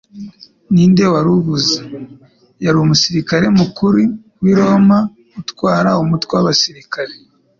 Ninde wari uvuze? Yari umusirikari mukuru w'Umuroma utwara umutwe w'abasirikari.